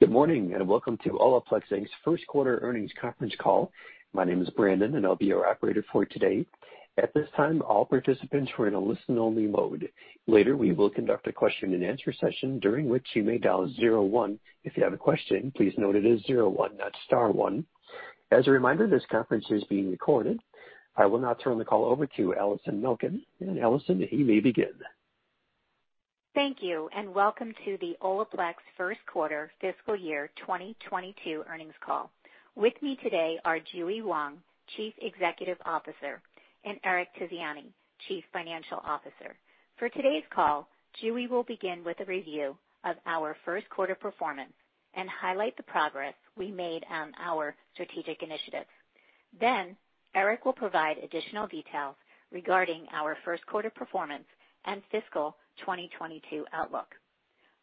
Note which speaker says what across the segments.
Speaker 1: Good morning, and welcome to Olaplex Inc.'s first quarter earnings conference call. My name is Brandon, and I'll be your operator for today. At this time, all participants are in a listen-only mode. Later, we will conduct a question-and-answer session, during which you may dial zero one if you have a question. Please note it is zero one, not star one. As a reminder, this conference is being recorded. I will now turn the call over to Allison Malkin. Allison, you may begin.
Speaker 2: Thank you, and welcome to the Olaplex first quarter fiscal year 2022 earnings call. With me today are JuE Wong, Chief Executive Officer, and Eric Tiziani, Chief Financial Officer. For today's call, JuE will begin with a review of our first quarter performance and highlight the progress we made on our strategic initiatives. Eric will provide additional details regarding our first quarter performance and fiscal 2022 outlook.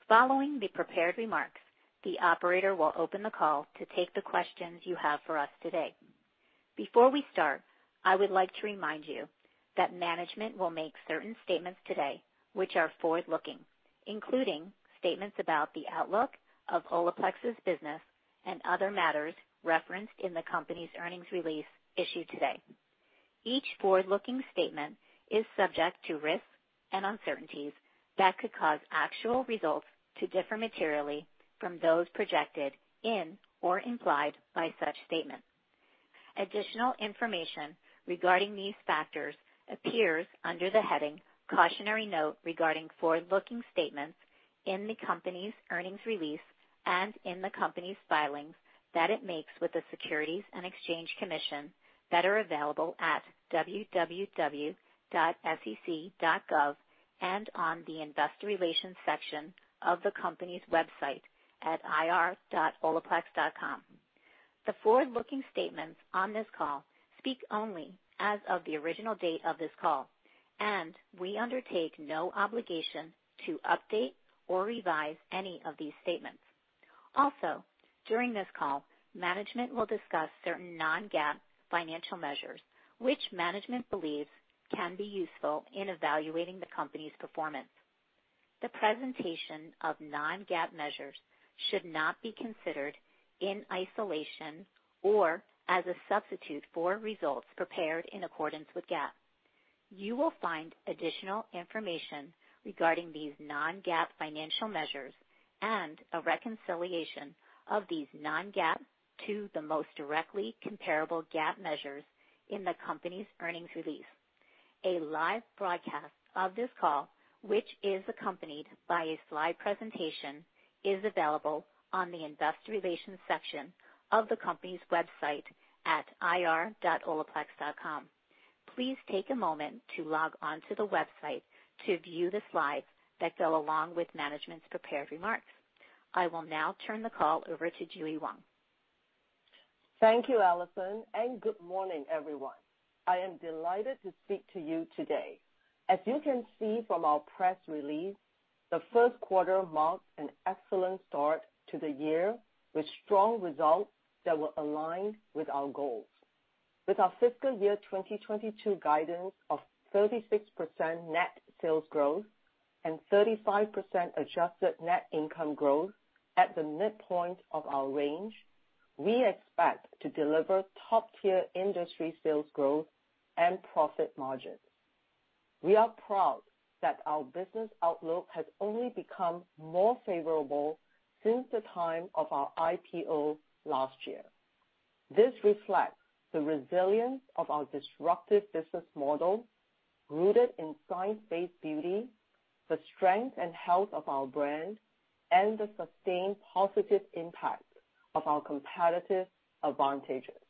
Speaker 2: Following the prepared remarks, the operator will open the call to take the questions you have for us today. Before we start, I would like to remind you that management will make certain statements today which are forward-looking, including statements about the outlook of Olaplex's business and other matters referenced in the company's earnings release issued today. Each forward-looking statement is subject to risks and uncertainties that could cause actual results to differ materially from those projected in or implied by such statements. Additional information regarding these factors appears under the heading Cautionary Note Regarding Forward-Looking Statements in the company's earnings release and in the company's filings that it makes with the Securities and Exchange Commission that are available at www.sec.gov and on the investor relations section of the company's website at ir.olaplex.com. The forward-looking statements on this call speak only as of the original date of this call, and we undertake no obligation to update or revise any of these statements. Also, during this call, management will discuss certain non-GAAP financial measures, which management believes can be useful in evaluating the company's performance. The presentation of non-GAAP measures should not be considered in isolation or as a substitute for results prepared in accordance with GAAP. You will find additional information regarding these non-GAAP financial measures and a reconciliation of these non-GAAP to the most directly comparable GAAP measures in the company's earnings release. A live broadcast of this call, which is accompanied by a slide presentation, is available on the investor relations section of the company's website at ir.olaplex.com. Please take a moment to log on to the website to view the slides that go along with management's prepared remarks. I will now turn the call over to JuE Wong.
Speaker 3: Thank you, Allison, and good morning, everyone. I am delighted to speak to you today. As you can see from our press release, the first quarter marks an excellent start to the year with strong results that were aligned with our goals. With our fiscal year 2022 guidance of 36% net sales growth and 35% adjusted net income growth at the midpoint of our range, we expect to deliver top-tier industry sales growth and profit margins. We are proud that our business outlook has only become more favorable since the time of our IPO last year. This reflects the resilience of our disruptive business model rooted in science-based beauty, the strength and health of our brand, and the sustained positive impact of our competitive advantages.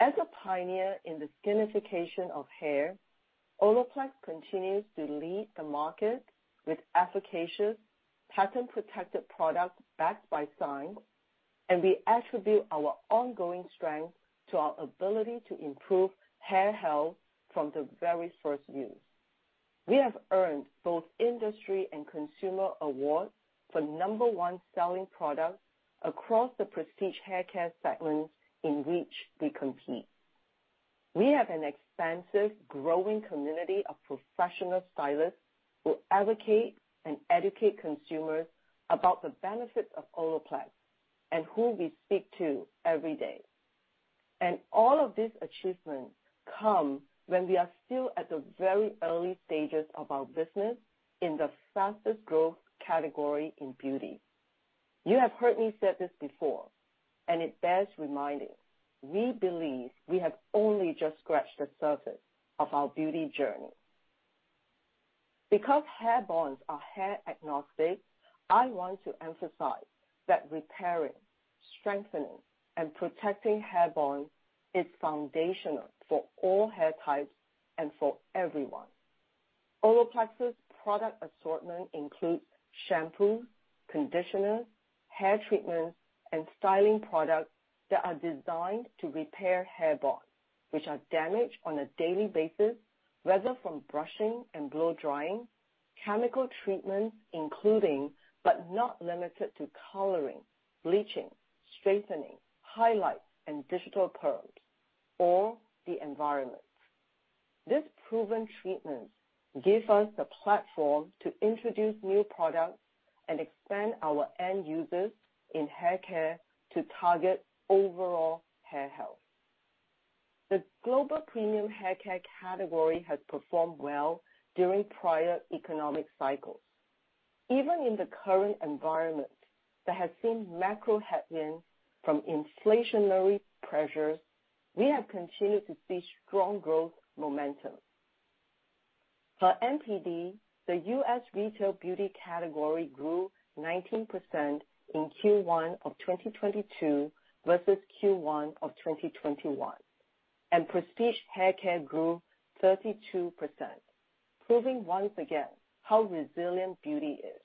Speaker 3: As a pioneer in the skinification of hair, Olaplex continues to lead the market with efficacious, patent-protected products backed by science, and we attribute our ongoing strength to our ability to improve hair health from the very first use. We have earned both industry and consumer awards for number one selling products across the prestige haircare segments in which we compete. We have an expansive, growing community of professional stylists who advocate and educate consumers about the benefits of Olaplex and who we speak to every day. All of these achievements come when we are still at the very early stages of our business in the fastest growth category in beauty. You have heard me say this before, and it bears reminding, we believe we have only just scratched the surface of our beauty journey. Because hair bonds are hair agnostic, I want to emphasize that repairing, strengthening, and protecting hair bonds is foundational for all hair types and for everyone. Olaplex's product assortment includes shampoo, conditioner, hair treatments, and styling products that are designed to repair hair bonds which are damaged on a daily basis, whether from brushing and blow-drying, chemical treatments including, but not limited to coloring, bleaching, straightening, highlights, and digital perms, or the environment. This proven treatment give us the platform to introduce new products and expand our end users in hair care to target overall hair health. The global premium hair care category has performed well during prior economic cycles. Even in the current environment that has seen macro headwinds from inflationary pressures, we have continued to see strong growth momentum. For NPD, the U.S. retail beauty category grew 19% in Q1 of 2022 versus Q1 of 2021, and prestige hair care grew 32%, proving once again how resilient beauty is.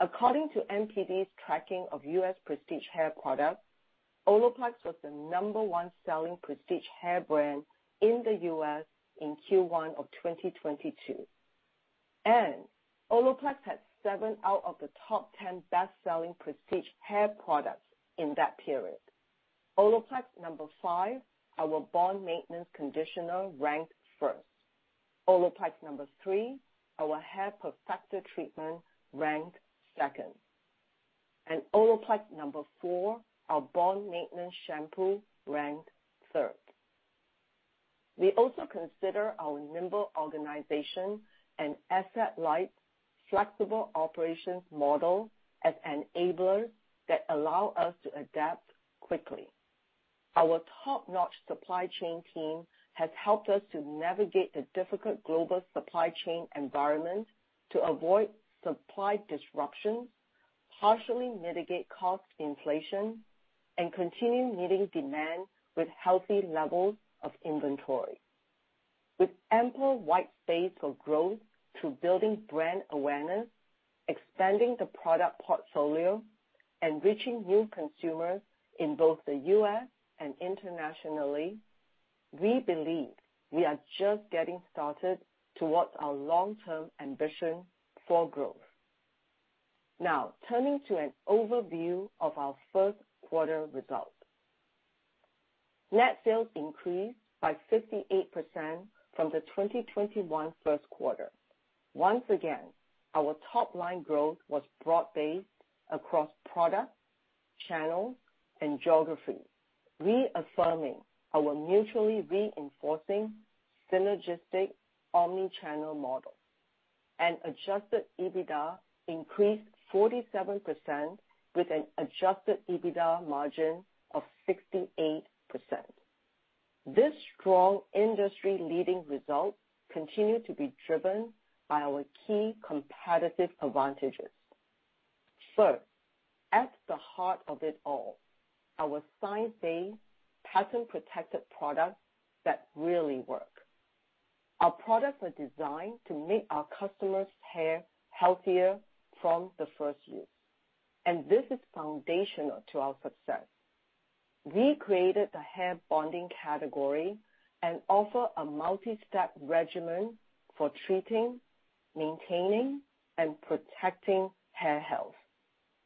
Speaker 3: According to NPD's tracking of U.S. prestige hair products, Olaplex was the number one selling prestige hair brand in the U.S. in Q1 of 2022. Olaplex had 7 out of the top 10 best-selling prestige hair products in that period. Olaplex number five, our bond maintenance conditioner, ranked first. Olaplex number three, our hair perfector treatment, ranked second. Olaplex number four, our bond maintenance shampoo, ranked third. We also consider our nimble organization and asset-light, flexible operations model as enablers that allow us to adapt quickly. Our top-notch supply chain team has helped us to navigate the difficult global supply chain environment to avoid supply disruptions, partially mitigate cost inflation, and continue meeting demand with healthy levels of inventory. With ample wide space for growth through building brand awareness, expanding the product portfolio, and reaching new consumers in both the U.S. and internationally, we believe we are just getting started towards our long-term ambition for growth. Now, turning to an overview of our first quarter results. Net sales increased by 58% from the 2021 first quarter. Once again, our top-line growth was broad-based across products, channels, and geographies, reaffirming our mutually reinforcing synergistic omni-channel model. Adjusted EBITDA increased 47% with an adjusted EBITDA margin of 68%. This strong industry-leading result continued to be driven by our key competitive advantages. First, at the heart of it all, our science-based, patent-protected products that really work. Our products are designed to make our customers' hair healthier from the first use, and this is foundational to our success. We created the hair bonding category and offer a multi-step regimen for treating, maintaining, and protecting hair health.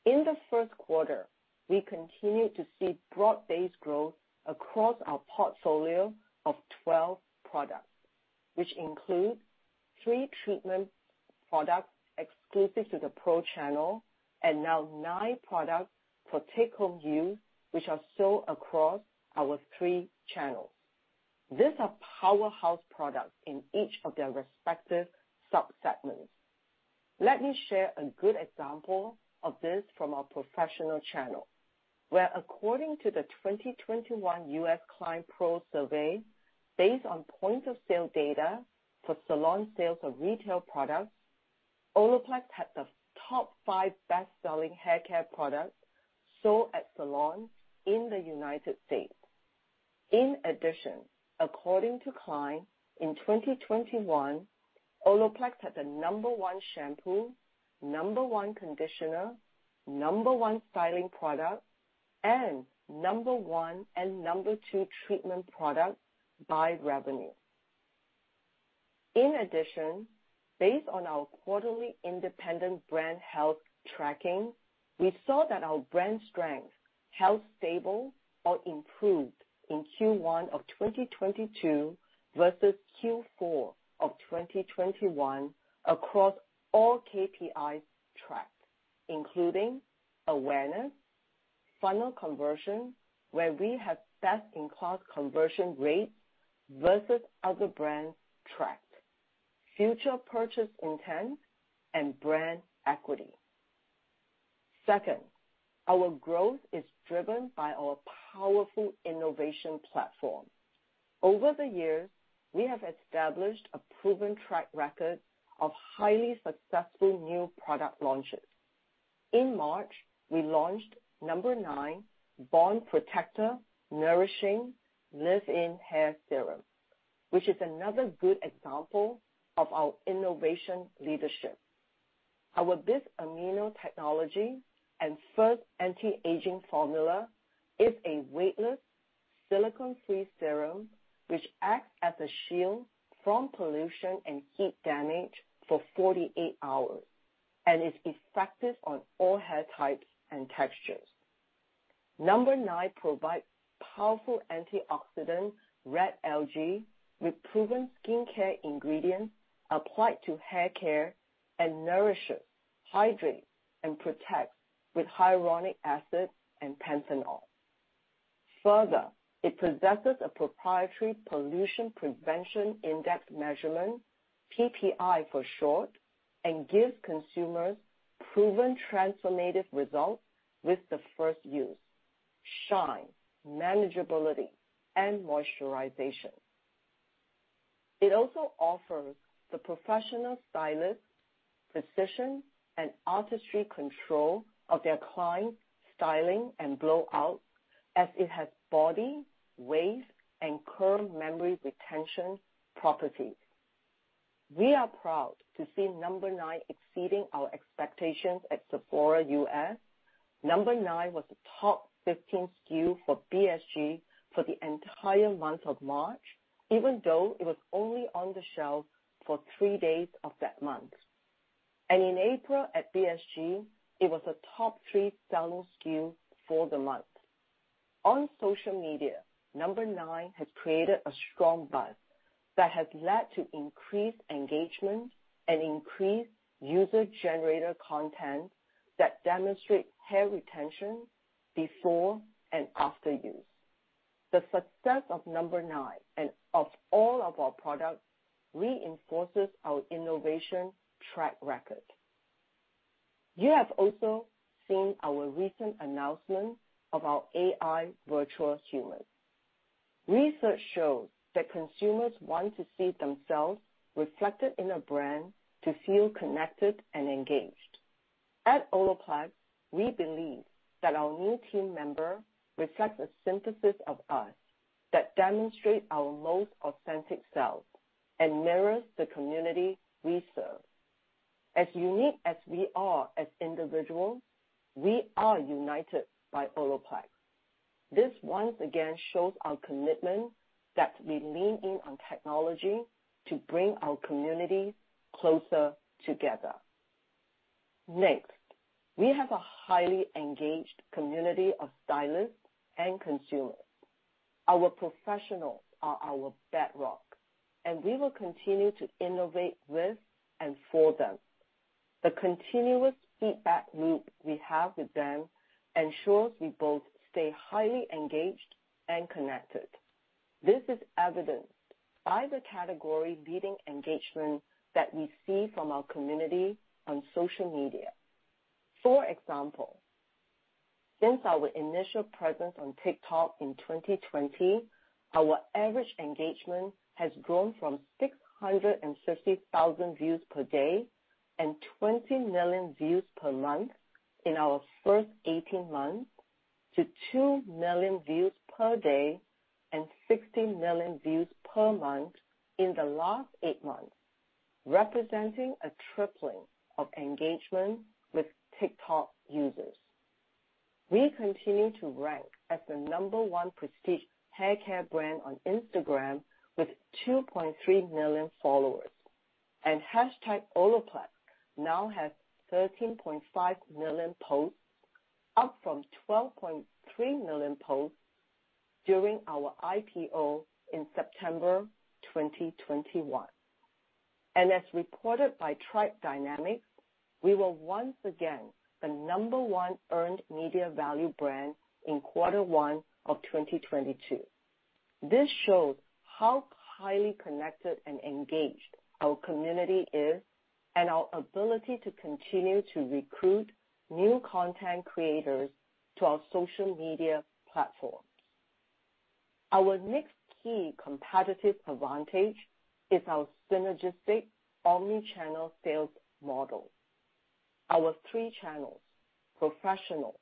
Speaker 3: In the first quarter, we continued to see broad-based growth across our portfolio of 12 products, which include 3 treatment products exclusive to the pro channel and now 9 products for take-home use, which are sold across our 3 channels. These are powerhouse products in each of their respective subsegments. Let me share a good example of this from our professional channel, where according to the 2021 U.S. Kline PRO survey, based on point of sale data for salon sales of retail products, Olaplex had the top 5 best-selling hair care products sold at salons in the United States. In addition, according to Kline, in 2021, Olaplex had the No. 1 shampoo, No. 1 conditioner, No. 1 styling product, and No. 1 and No. 2 treatment product by revenue. In addition, based on our quarterly independent brand health tracking, we saw that our brand strength held stable or improved in Q1 of 2022 versus Q4 of 2021 across all KPIs tracked, including awareness, funnel conversion, where we have best-in-class conversion rates versus other brands tracked, future purchase intent, and brand equity. Second, our growth is driven by our powerful innovation platform. Over the years, we have established a proven track record of highly successful new product launches. In March, we launched number nine, Bond Protector Nourishing Leave-In Hair Serum, which is another good example of our innovation leadership. Our Bis-Amino technology and first anti-aging formula is a weightless silicone-free serum which acts as a shield from pollution and heat damage for 48 hours, and is effective on all hair types and textures. Number Nine provides powerful antioxidant red algae with proven skincare ingredients applied to haircare, and nourishes, hydrates, and protects with hyaluronic acid and panthenol. Further, it possesses a proprietary pollution prevention in-depth measurement, PPI for short, and gives consumers proven transformative results with the first use, shine, manageability, and moisturization. It also offers the professional stylist precision and artistry control of their client styling and blowout, as it has body, wave, and curl memory retention properties. We are proud to see Number Nine exceeding our expectations at Sephora US. Number Nine was a top 15 SKU for BSG for the entire month of March, even though it was only on the shelf for 3 days of that month. In April at BSG, it was a top 3 selling SKU for the month. On social media, Number Nine has created a strong buzz that has led to increased engagement and increased user-generated content that demonstrates hair retention before and after use. The success of Number Nine and of all of our products reinforces our innovation track record. You have also seen our recent announcement of our AI virtual humans. Research shows that consumers want to see themselves reflected in a brand to feel connected and engaged. At Olaplex, we believe that our new team member reflects a synthesis of us that demonstrate our most authentic self and mirrors the community we serve. As unique as we are as individuals, we are united by Olaplex. This once again shows our commitment that we lean in on technology to bring our community closer together. Next, we have a highly engaged community of stylists and consumers. Our professionals are our bedrock, and we will continue to innovate with and for them. The continuous feedback loop we have with them ensures we both stay highly engaged and connected. This is evidenced by the category-leading engagement that we see from our community on social media. For example, since our initial presence on TikTok in 2020, our average engagement has grown from 650,000 views per day and 20 million views per month in our first 18 months to 2 million views per day and 60 million views per month in the last 8 months, representing a tripling of engagement with TikTok users. We continue to rank as the number one prestige haircare brand on Instagram with 2.3 million followers. #Olaplex now has 13.5 million posts, up from 12.3 million posts during our IPO in September 2021. As reported by Tribe Dynamics, we were once again the number one earned media value brand in quarter one of 2022. This shows how highly connected and engaged our community is and our ability to continue to recruit new content creators to our social media platforms. Our next key competitive advantage is our synergistic omni-channel sales model. Our three channels, professional,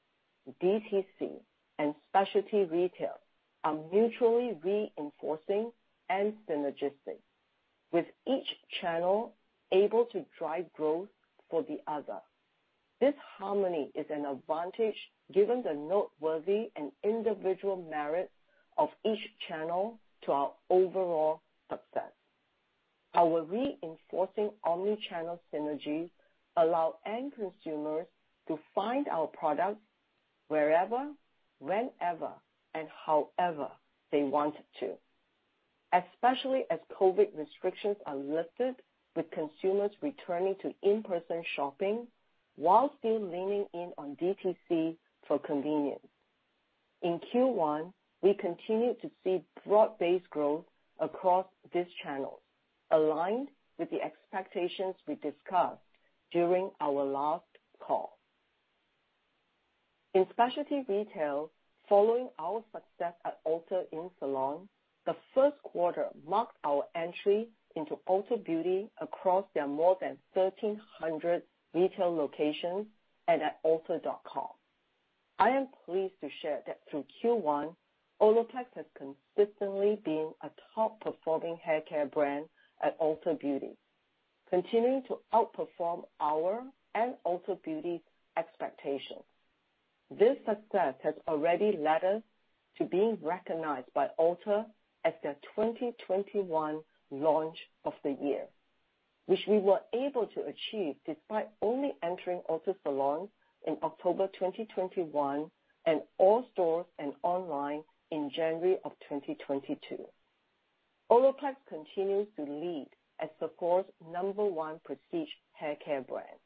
Speaker 3: DTC, and specialty retail, are mutually reinforcing and synergistic, with each channel able to drive growth for the other. This harmony is an advantage given the noteworthy and individual merit of each channel to our overall success. Our reinforcing omni-channel synergies allow end consumers to find our products wherever, whenever, and however they want to, especially as COVID restrictions are lifted with consumers returning to in-person shopping while still leaning in on DTC for convenience. In Q1, we continued to see broad-based growth across this channel, aligned with the expectations we discussed during our last call. In specialty retail, following our success at Ulta in salon, the first quarter marked our entry into Ulta Beauty across their more than 1,300 retail locations and at ulta.com. I am pleased to share that through Q1, Olaplex has consistently been a top-performing haircare brand at Ulta Beauty, continuing to outperform our and Ulta Beauty's expectations. This success has already led us to being recognized by Ulta as their 2021 launch of the year, which we were able to achieve despite only entering Ulta salon in October 2021 and all stores and online in January 2022. Olaplex continues to lead as Sephora's number one prestige haircare brand.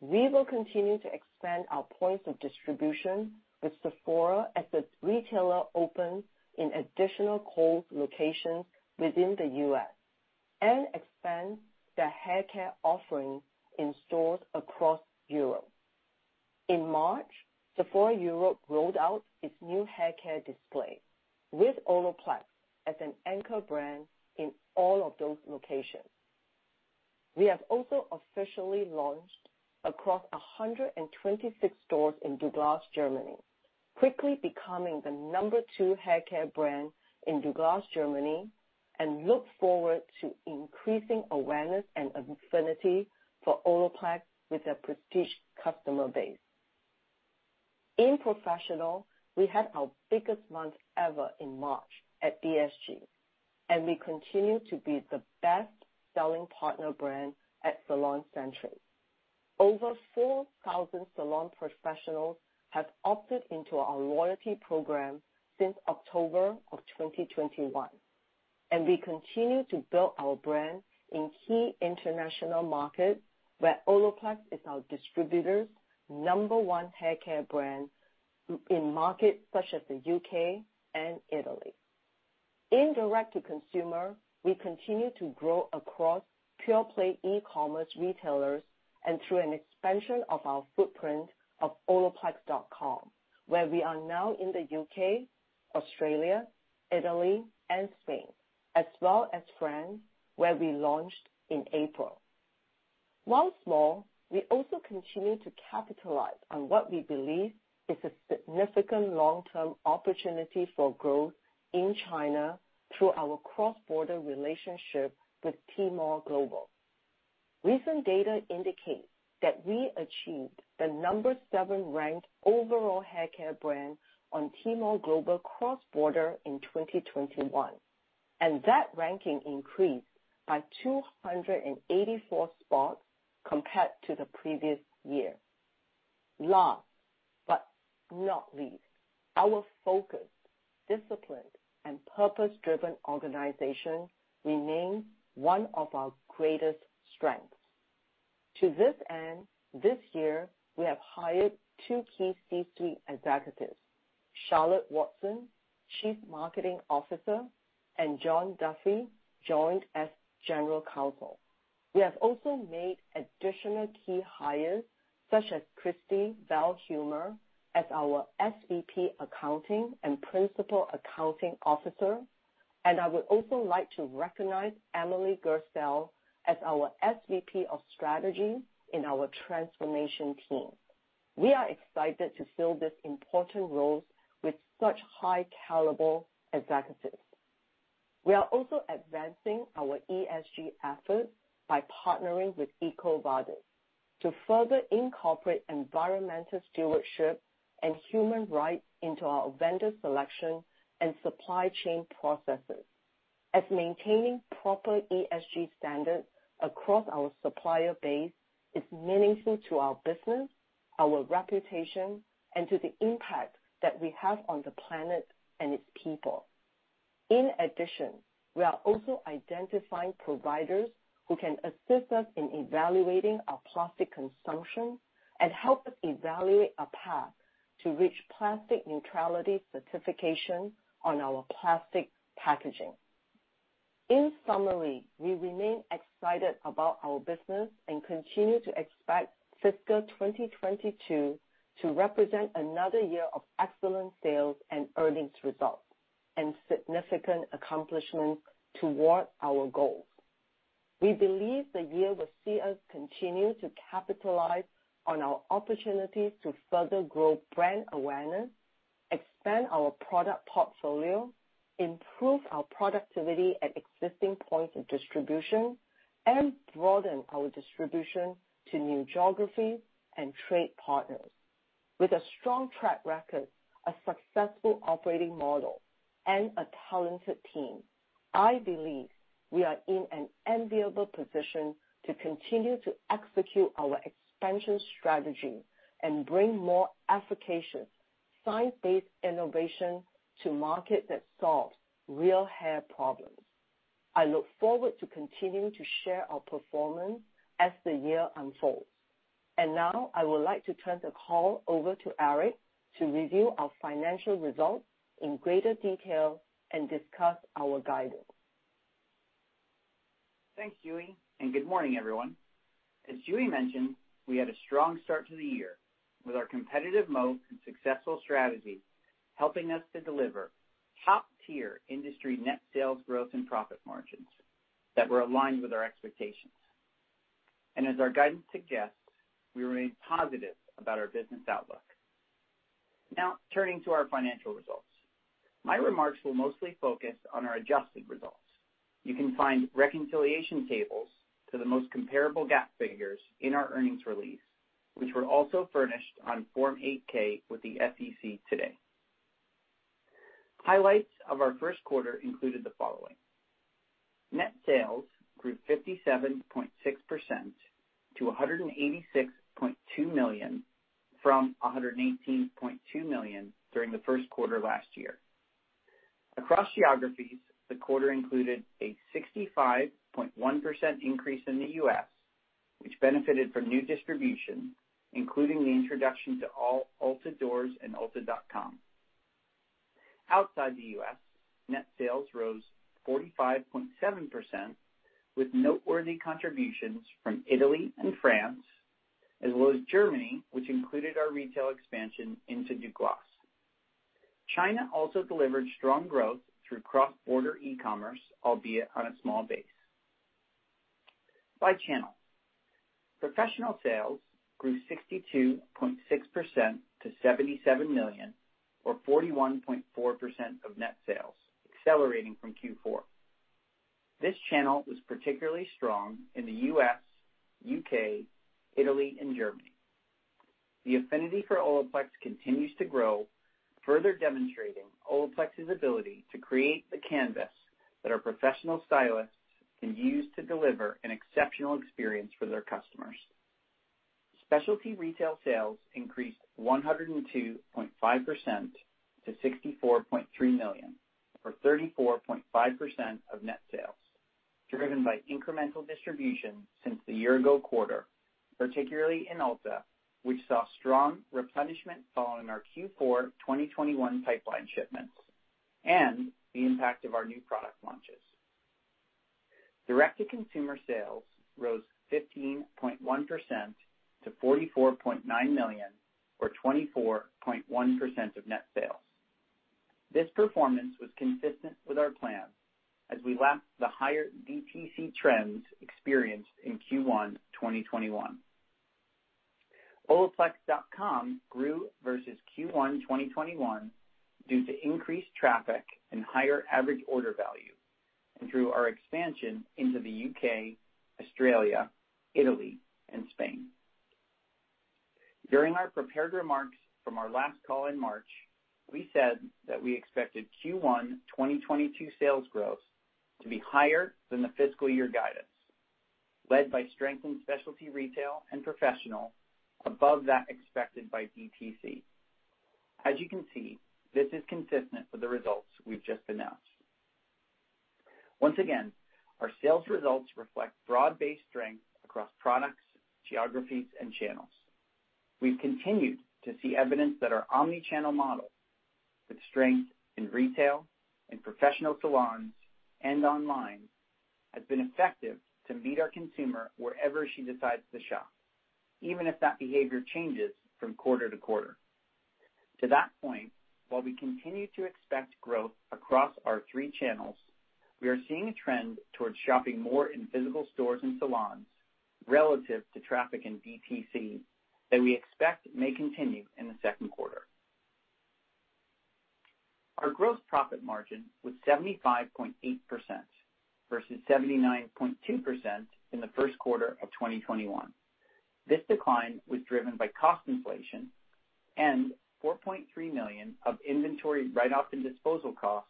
Speaker 3: We will continue to expand our points of distribution with Sephora as the retailer opens in additional Kohl's locations within the U.S. and expands their haircare offering in stores across Europe. In March, Sephora Europe rolled out its new haircare display with Olaplex as an anchor brand in all of those locations. We have also officially launched across 126 stores in Douglas, Germany, quickly becoming the number two haircare brand in Douglas, Germany, and look forward to increasing awareness and affinity for Olaplex with their prestige customer base. In professional, we had our biggest month ever in March at BSG, and we continue to be the best-selling partner brand at SalonCentric. Over 4,000 salon professionals have opted into our loyalty program since October of 2021, and we continue to build our brand in key international markets where Olaplex is our distributors number one haircare brand in markets such as the U.K. and Italy. In direct-to-consumer, we continue to grow across pure-play e-commerce retailers and through an expansion of our footprint of olaplex.com, where we are now in the U.K., Australia, Italy, and Spain, as well as France, where we launched in April. While small, we also continue to capitalize on what we believe is a significant long-term opportunity for growth in China through our cross-border relationship with Tmall Global. Recent data indicates that we achieved the number 7 ranked overall haircare brand on Tmall Global cross-border in 2021, and that ranking increased by 284 spots compared to the previous year. Last but not least, our focused, disciplined, and purpose-driven organization remains one of our greatest strengths. To this end, this year, we have hired two key C-suite executives, Charlotte Watson, Chief Marketing Officer, and John Duffy joined as General Counsel. We have also made additional key hires, such as Christy Valihumer as our SVP Accounting and Principal Accounting Officer. I would also like to recognize Emily Gursel as our SVP of Strategy in our transformation team. We are excited to fill these important roles with such high caliber executives. We are also advancing our ESG efforts by partnering with EcoVadis to further incorporate environmental stewardship and human rights into our vendor selection and supply chain processes, as maintaining proper ESG standards across our supplier base is meaningful to our business, our reputation, and to the impact that we have on the planet and its people. In addition, we are also identifying providers who can assist us in evaluating our plastic consumption and help us evaluate a path to reach plastic neutrality certification on our plastic packaging. In summary, we remain excited about our business and continue to expect fiscal 2022 to represent another year of excellent sales and earnings results and significant accomplishments toward our goals. We believe the year will see us continue to capitalize on our opportunities to further grow brand awareness, expand our product portfolio, improve our productivity at existing points of distribution, and broaden our distribution to new geographies and trade partners. With a strong track record, a successful operating model, and a talented team, I believe we are in an enviable position to continue to execute our expansion strategy and bring more efficacious science-based innovation to market that solves real hair problems. I look forward to continuing to share our performance as the year unfolds. Now I would like to turn the call over to Eric to review our financial results in greater detail and discuss our guidance.
Speaker 4: Thanks, JuE, and good morning, everyone. As JuE mentioned, we had a strong start to the year with our competitive moat and successful strategy, helping us to deliver top-tier industry net sales growth and profit margins that were aligned with our expectations. As our guidance suggests, we remain positive about our business outlook. Now, turning to our financial results. My remarks will mostly focus on our adjusted results. You can find reconciliation tables to the most comparable GAAP figures in our earnings release, which were also furnished on Form 8-K with the SEC today. Highlights of our first quarter included the following. Net sales grew 57.6% to $186.2 million from $118.2 million during the first quarter last year. Across geographies, the quarter included a 65.1% increase in the U.S., which benefited from new distribution, including the introduction to all Ulta doors and ulta.com. Outside the U.S., net sales rose 45.7% with noteworthy contributions from Italy and France, as well as Germany, which included our retail expansion into Douglas. China also delivered strong growth through cross-border e-commerce, albeit on a small base. By channel, professional sales grew 62.6% to $77 million or 41.4% of net sales, accelerating from Q4. This channel was particularly strong in the U.S., U.K., Italy and Germany. The affinity for Olaplex continues to grow, further demonstrating Olaplex's ability to create the canvas that our professional stylists can use to deliver an exceptional experience for their customers. Specialty retail sales increased 102.5% to $64.3 million, or 34.5% of net sales, driven by incremental distribution since the year ago quarter, particularly in Ulta, which saw strong replenishment following our Q4 2021 pipeline shipments and the impact of our new product launches. Direct-to-consumer sales rose 15.1% to $44.9 million, or 24.1% of net sales. This performance was consistent with our plan as we lapped the higher DTC trends experienced in Q1 2021. Olaplex.com grew versus Q1 2021 due to increased traffic and higher average order value and through our expansion into the U.K., Australia, Italy and Spain. During our prepared remarks from our last call in March, we said that we expected Q1 2022 sales growth to be higher than the fiscal year guidance, led by strength in specialty retail and professional above that expected by DTC. As you can see, this is consistent with the results we've just announced. Once again, our sales results reflect broad-based strength across products, geographies and channels. We've continued to see evidence that our omni-channel model, with strength in retail and professional salons and online, has been effective to meet our consumer wherever she decides to shop, even if that behavior changes from quarter to quarter. To that point, while we continue to expect growth across our three channels, we are seeing a trend towards shopping more in physical stores and salons relative to traffic in DTC that we expect may continue in the second quarter. Our gross profit margin was 75.8% versus 79.2% in the first quarter of 2021. This decline was driven by cost inflation and $4.3 million of inventory write-off and disposal costs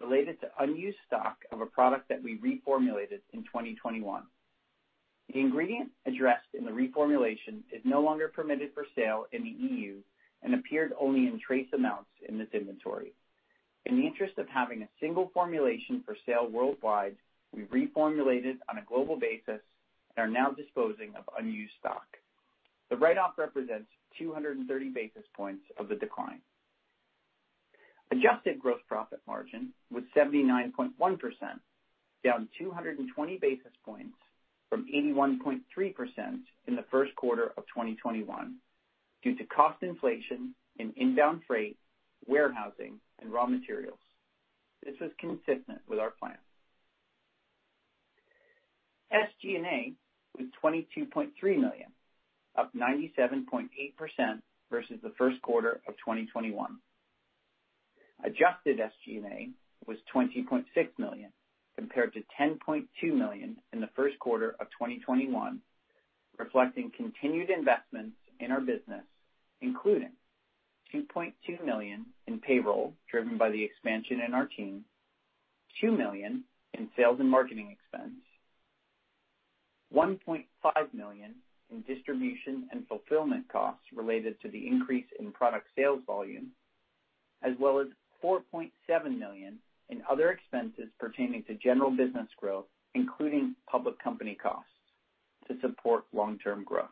Speaker 4: related to unused stock of a product that we reformulated in 2021. The ingredient addressed in the reformulation is no longer permitted for sale in the EU and appeared only in trace amounts in this inventory. In the interest of having a single formulation for sale worldwide, we reformulated on a global basis and are now disposing of unused stock. The write-off represents 230 basis points of the decline. Adjusted gross profit margin was 79.1%, down 220 basis points from 81.3% in the first quarter of 2021 due to cost inflation in inbound freight, warehousing and raw materials. This was consistent with our plan. SG&A was $22.3 million, up 97.8% versus the first quarter of 2021. Adjusted SG&A was $20.6 million, compared to $10.2 million in the first quarter of 2021, reflecting continued investments in our business, including $2.2 million in payroll driven by the expansion in our team, $2 million in sales and marketing expense, $1.5 million in distribution and fulfillment costs related to the increase in product sales volume, as well as $4.7 million in other expenses pertaining to general business growth, including public company costs to support long-term growth.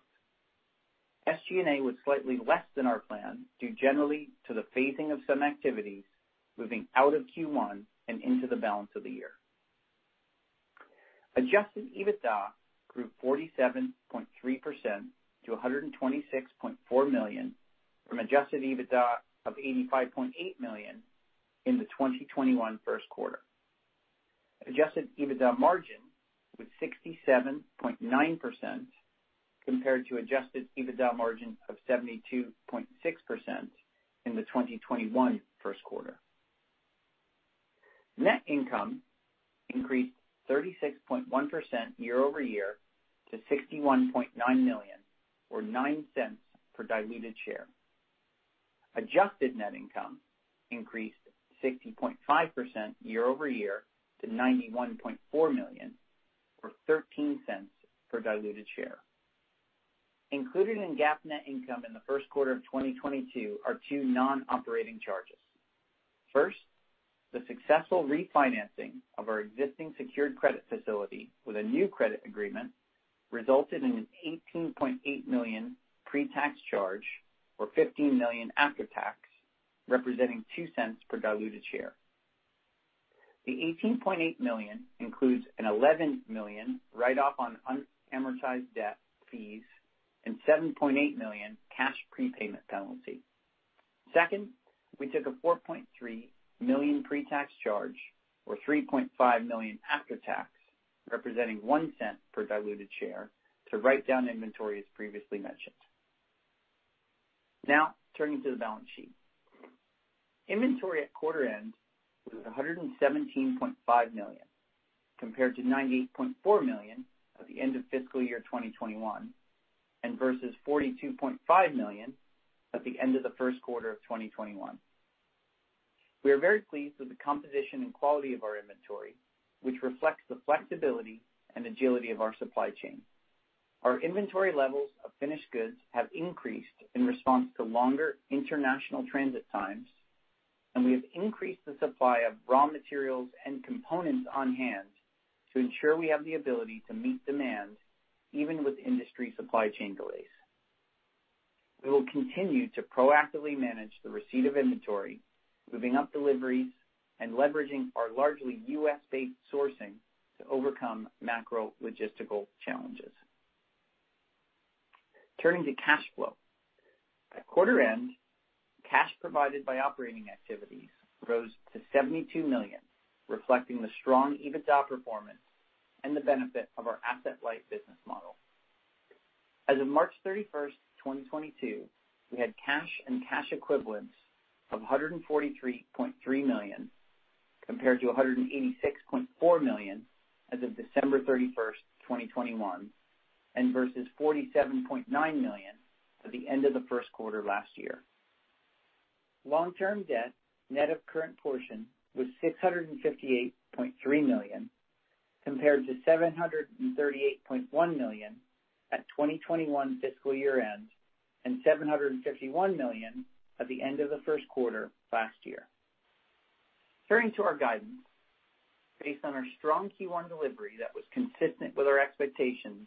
Speaker 4: SG&A was slightly less than our plan due generally to the phasing of some activities moving out of Q1 and into the balance of the year. Adjusted EBITDA grew 47.3% to $126.4 million from adjusted EBITDA of $85.8 million in the 2021 first quarter. Adjusted EBITDA margin was 67.9% compared to adjusted EBITDA margin of 72.6% in the 2021 first quarter. Net income increased 36.1% year-over-year to $61.9 million, or $0.09 per diluted share. Adjusted net income increased 60.5% year-over-year to $91.4 million, or $0.13 per diluted share. Included in GAAP net income in the first quarter of 2022 are two non-operating charges. First, the successful refinancing of our existing secured credit facility with a new credit agreement resulted in an $18.8 million pre-tax charge, or $15 million after tax, representing $0.02 per diluted share. The $18.8 million includes an $11 million write-off on unamortized debt fees and $7.8 million cash prepayment penalty. Second, we took a $4.3 million pre-tax charge, or $3.5 million after tax, representing $0.01 per diluted share to write down inventory as previously mentioned. Now turning to the balance sheet. Inventory at quarter end was $117.5 million, compared to $98.4 million at the end of fiscal year 2021, and versus $42.5 million at the end of the first quarter of 2021. We are very pleased with the composition and quality of our inventory, which reflects the flexibility and agility of our supply chain. Our inventory levels of finished goods have increased in response to longer international transit times, and we have increased the supply of raw materials and components on-hand to ensure we have the ability to meet demand, even with industry supply chain delays. We will continue to proactively manage the receipt of inventory, moving up deliveries and leveraging our largely US-based sourcing to overcome macro logistical challenges. Turning to cash flow. At quarter end, cash provided by operating activities rose to $72 million, reflecting the strong EBITDA performance and the benefit of our asset-light business model. As of March 31, 2022, we had cash and cash equivalents of $143.3 million, compared to $186.4 million as of December 31, 2021, and versus $47.9 million at the end of the first quarter last year. Long-term debt, net of current portion, was $658.3 million, compared to $738.1 million at 2021 fiscal year-end, and $751 million at the end of the first quarter last year. Turning to our guidance. Based on our strong Q1 delivery that was consistent with our expectations,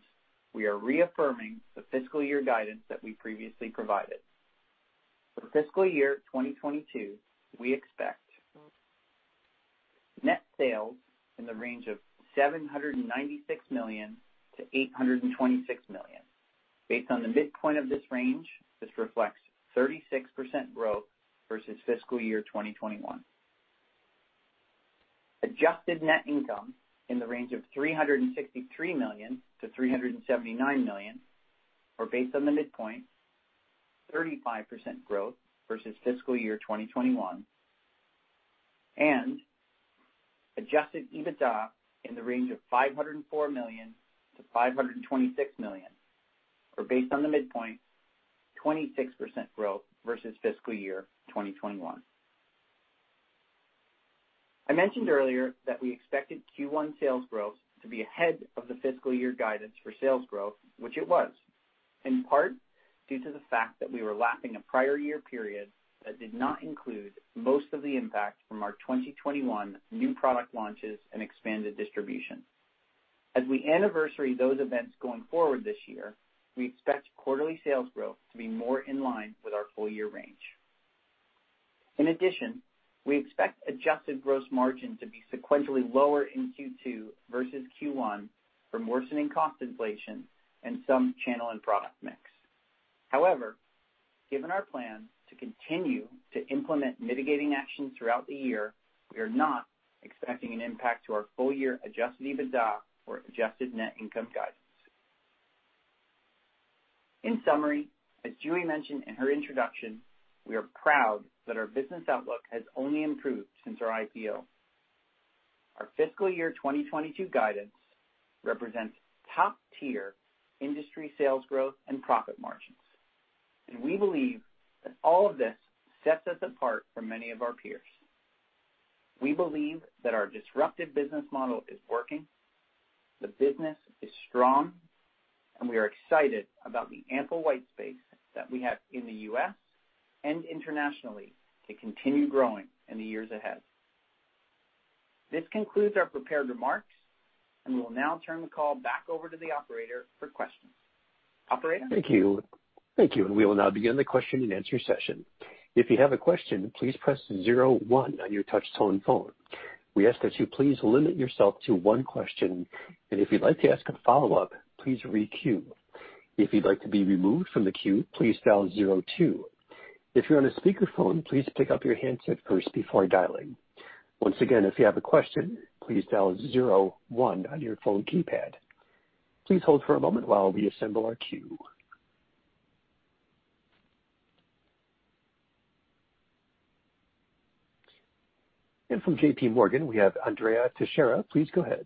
Speaker 4: we are reaffirming the fiscal year guidance that we previously provided. For fiscal year 2022, we expect net sales in the range of $796 million-$826 million. Based on the midpoint of this range, this reflects 36% growth versus fiscal year 2021. Adjusted net income in the range of $363 million-$379 million, or based on the midpoint, 35% growth versus fiscal year 2021. Adjusted EBITDA in the range of $504 million-$526 million, or based on the midpoint, 26% growth versus fiscal year 2021. I mentioned earlier that we expected Q1 sales growth to be ahead of the fiscal year guidance for sales growth, which it was, in part due to the fact that we were lapping a prior year period that did not include most of the impact from our 2021 new product launches and expanded distribution. As we anniversary those events going forward this year, we expect quarterly sales growth to be more in line with our full year range. In addition, we expect adjusted gross margin to be sequentially lower in Q2 versus Q1 from worsening cost inflation and some channel and product mix. However, given our plan to continue to implement mitigating actions throughout the year, we are not expecting an impact to our full year adjusted EBITDA or adjusted net income guidance. In summary, as Julie mentioned in her introduction, we are proud that our business outlook has only improved since our IPO. Our fiscal year 2022 guidance represents top-tier industry sales growth and profit margins. We believe that all of this sets us apart from many of our peers. We believe that our disruptive business model is working, the business is strong, and we are excited about the ample white space that we have in the U.S. and internationally to continue growing in the years ahead. This concludes our prepared remarks, and we will now turn the call back over to the operator for questions. Operator?
Speaker 1: Thank you. Thank you. We will now begin the question and answer session. If you have a question, please press zero one on your touch tone phone. We ask that you please limit yourself to one question. If you'd like to ask a follow-up, please re-queue. If you'd like to be removed from the queue, please dial zero two. If you're on a speakerphone, please pick up your handset first before dialing. Once again, if you have a question, please dial zero one on your phone keypad. Please hold for a moment while we assemble our queue. From JPMorgan, we have Andrea Teixeira. Please go ahead.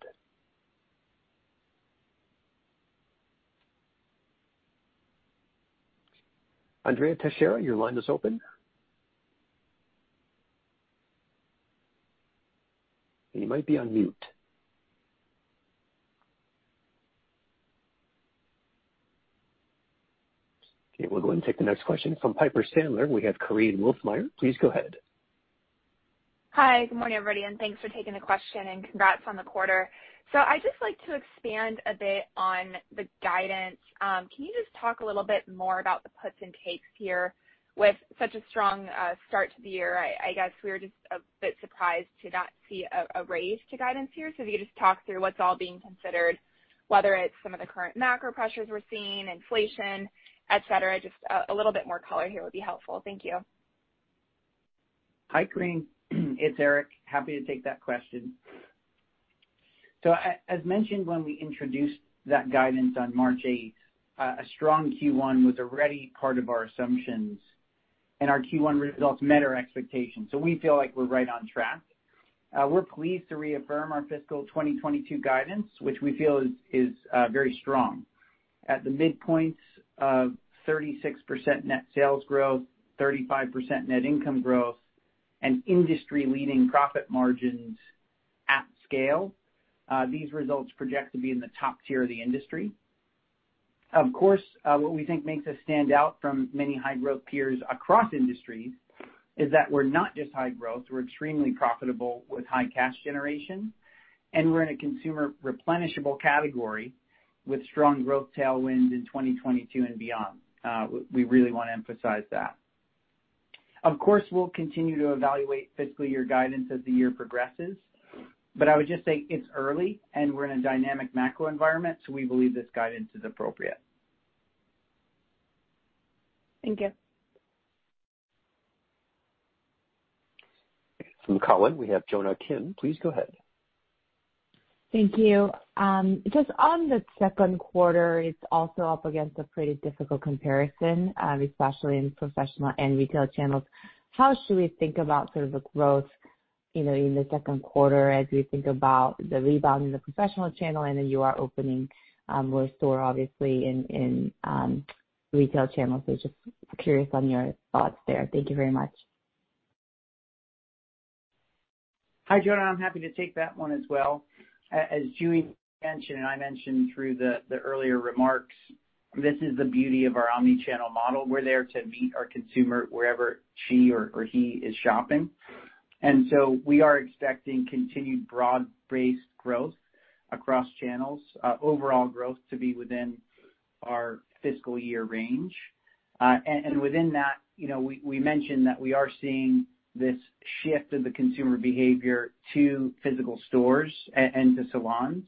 Speaker 1: Andrea Teixeira, your line is open. You might be on mute. Okay, we'll go and take the next question from Piper Sandler. We have Korinne Wolfmeyer. Please go ahead.
Speaker 5: Hi, good morning, everybody, and thanks for taking the question and congrats on the quarter. I'd just like to expand a bit on the guidance. Can you just talk a little bit more about the puts and takes here with such a strong start to the year? I guess we were just a bit surprised to not see a raise to guidance here. If you could just talk through what's all being considered, whether it's some of the current macro pressures we're seeing, inflation, et cetera, just a little bit more color here would be helpful. Thank you.
Speaker 4: Hi, Korinne. It's Eric. Happy to take that question. As mentioned when we introduced that guidance on March 8, a strong Q1 was already part of our assumptions and our Q1 results met our expectations. We feel like we're right on track. We're pleased to reaffirm our fiscal 2022 guidance, which we feel is very strong. At the midpoints of 36% net sales growth, 35% net income growth and industry-leading profit margins at scale, these results project to be in the top tier of the industry. Of course, what we think makes us stand out from many high growth peers across industries is that we're not just high growth, we're extremely profitable with high cash generation, and we're in a consumer replenishable category with strong growth tailwinds in 2022 and beyond. We really wanna emphasize that. Of course, we'll continue to evaluate fiscal year guidance as the year progresses, but I would just say it's early and we're in a dynamic macro environment, so we believe this guidance is appropriate.
Speaker 5: Thank you.
Speaker 1: From Cowen, we have Jonna Kim. Please go ahead.
Speaker 6: Thank you. Just on the second quarter, it's also up against a pretty difficult comparison, especially in professional and retail channels. How should we think about sort of the growth, you know, in the second quarter as we think about the rebound in the professional channel, and then you are opening more stores obviously in retail channels. Just curious on your thoughts there. Thank you very much.
Speaker 4: Hi, Jonna. I'm happy to take that one as well. As JuE Wong mentioned, and I mentioned through the earlier remarks, this is the beauty of our omni-channel model. We're there to meet our consumer wherever she or he is shopping. We are expecting continued broad-based growth across channels, overall growth to be within our fiscal year range. And within that, you know, we mentioned that we are seeing this shift in the consumer behavior to physical stores and to salons,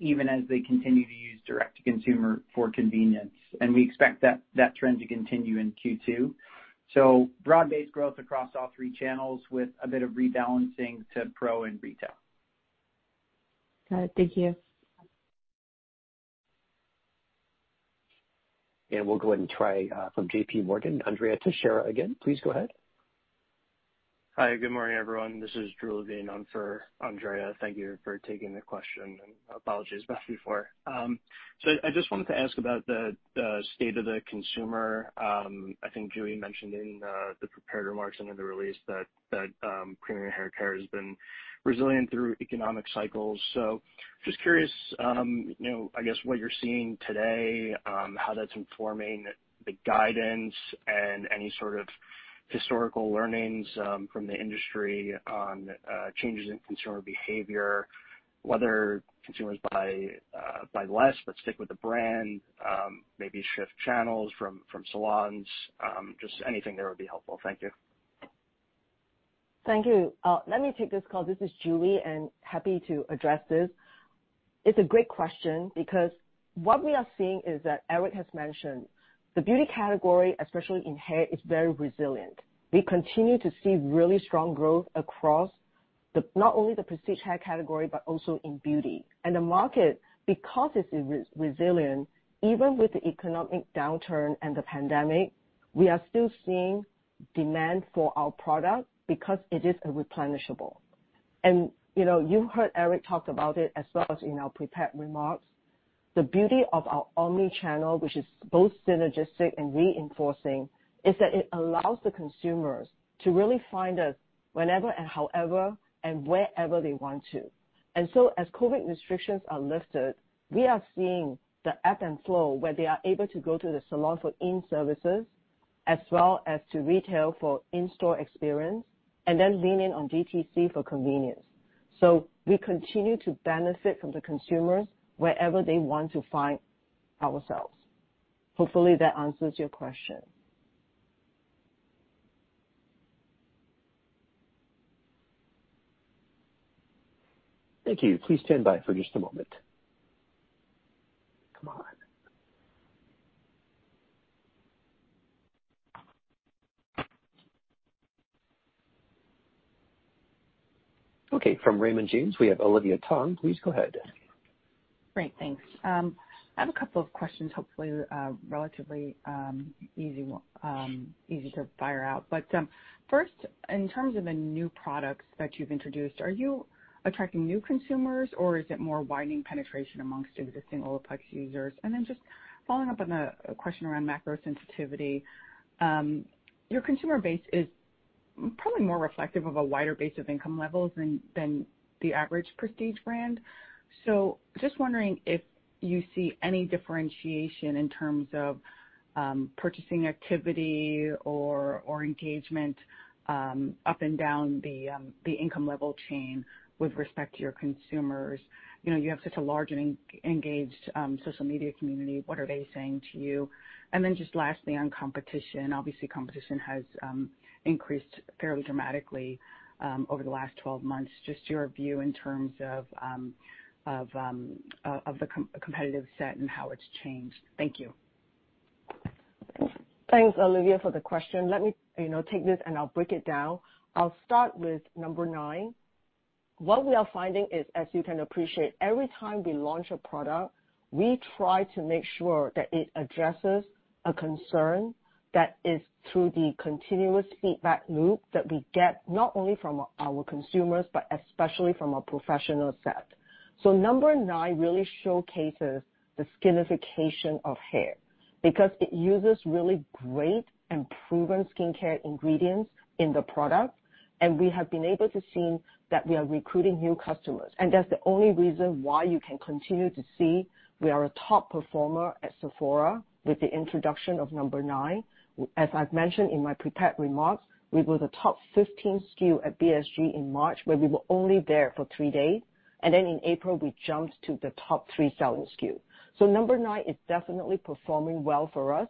Speaker 4: even as they continue to use direct to consumer for convenience, and we expect that trend to continue in Q2. Broad-based growth across all three channels with a bit of rebalancing to pro and retail.
Speaker 6: Got it. Thank you.
Speaker 1: We'll go ahead and try from JPMorgan, Andrea Teixeira again. Please go ahead.
Speaker 7: Hi, good morning, everyone. This is Drew Levine on for Andrea. Thank you for taking the question and apologies back before. I just wanted to ask about the state of the consumer. I think Julie mentioned in the prepared remarks and in the release that premium hair care has been resilient through economic cycles. Just curious, you know, I guess what you're seeing today, how that's informing the guidance and any sort of historical learnings from the industry on changes in consumer behavior, whether consumers buy less, but stick with the brand, maybe shift channels from salons, just anything there would be helpful. Thank you.
Speaker 3: Thank you. Let me take this call. This is JuE Wong, and happy to address this. It's a great question because what we are seeing is that Eric has mentioned the beauty category, especially in hair, is very resilient. We continue to see really strong growth across not only the prestige hair category, but also in beauty. The market, because it's resilient, even with the economic downturn and the pandemic, we are still seeing demand for our product because it is a replenishable. You know, you heard Eric talk about it as well as in our prepared remarks. The beauty of our omni channel, which is both synergistic and reinforcing, is that it allows the consumers to really find us whenever and however and wherever they want to. As COVID restrictions are lifted, we are seeing the ebb and flow, where they are able to go to the salon for in-services as well as to retail for in-store experience, and then lean in on DTC for convenience. We continue to benefit from the consumers wherever they want to find ourselves. Hopefully, that answers your question.
Speaker 1: Thank you. Please stand by for just a moment. Come on. Okay, from Raymond James, we have Olivia Tong. Please go ahead.
Speaker 8: Great, thanks. I have a couple of questions, hopefully relatively easy to fire out. First, in terms of the new products that you've introduced, are you attracting new consumers or is it more widening penetration amongst existing Olaplex users? Then just following up on a question around macro sensitivity, your consumer base is probably more reflective of a wider base of income levels than the average prestige brand. Just wondering if you see any differentiation in terms of purchasing activity or engagement up and down the income level chain with respect to your consumers. You know, you have such a large and engaged social media community. What are they saying to you? Just lastly, on competition. Obviously, competition has increased fairly dramatically over the last 12 months. Just your view in terms of the competitive set and how it's changed. Thank you.
Speaker 3: Thanks, Olivia, for the question. Let me, you know, take this, and I'll break it down. I'll start with number nine. What we are finding is, as you can appreciate, every time we launch a product, we try to make sure that it addresses a concern that is through the continuous feedback loop that we get, not only from our consumers, but especially from a professional set. Number nine really showcases the skinification of hair because it uses really great and proven skincare ingredients in the product. We have been able to see that we are recruiting new customers. That's the only reason why you can continue to see we are a top performer at Sephora with the introduction of number nine. As I've mentioned in my prepared remarks, we were the top 15 SKU at BSG in March, where we were only there for 3 days, and then in April we jumped to the top 3 selling SKU. Number nine is definitely performing well for us.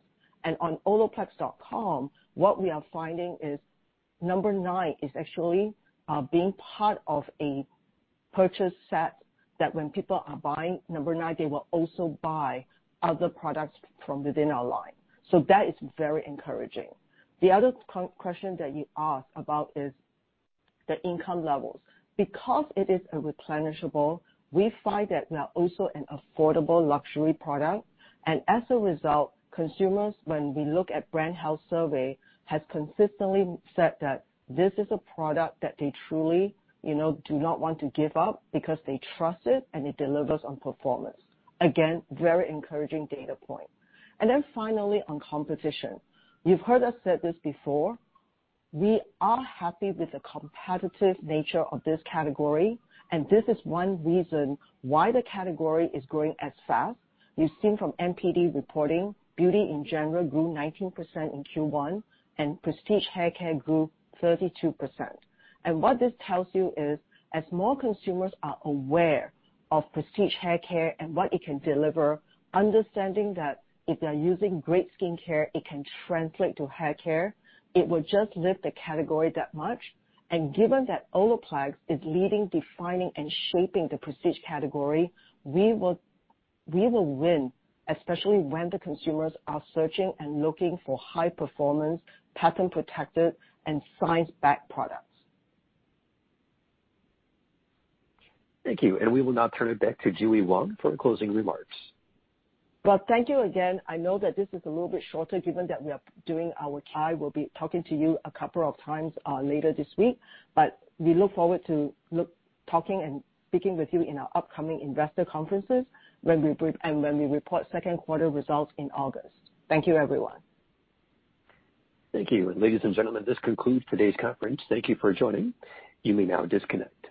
Speaker 3: On olaplex.com, what we are finding is number nine is actually being part of a purchase set that when people are buying number nine, they will also buy other products from within our line. That is very encouraging. The other question that you asked about is the income levels. Because it is a replenishable, we find that we are also an affordable luxury product. As a result, consumers, when we look at brand health survey, has consistently said that this is a product that they truly, you know, do not want to give up because they trust it and it delivers on performance. Again, very encouraging data point. Finally, on competition. You've heard us said this before. We are happy with the competitive nature of this category, and this is one reason why the category is growing as fast. You've seen from NPD reporting, beauty in general grew 19% in Q1, and prestige haircare grew 32%. What this tells you is, as more consumers are aware of prestige haircare and what it can deliver, understanding that if they are using great skincare, it can translate to haircare, it will just lift the category that much. Given that Olaplex is leading, defining, and shaping the prestige category, we will win, especially when the consumers are searching and looking for high performance, patent protected, and science-backed products.
Speaker 1: Thank you. We will now turn it back to JuE Wong for closing remarks.
Speaker 3: Well, thank you again. I know that this is a little bit shorter given that we are doing. I will be talking to you a couple of times later this week, but we look forward to talking and speaking with you in our upcoming investor conferences when we, and when we report second quarter results in August. Thank you, everyone.
Speaker 1: Thank you. Ladies and gentlemen, this concludes today's conference. Thank you for joining. You may now disconnect.